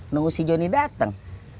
nunggu si joni dateng